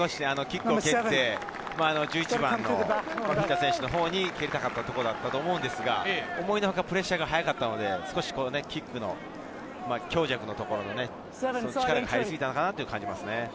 キックを蹴って、１１番のフィフィタ選手のほうに蹴りたかったところだと思うんですが、思いのほかプレッシャーが速かったので、キックの強弱のところ、力が入りすぎたかなと感じますね。